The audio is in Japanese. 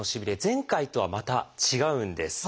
前回とはまた違うんです。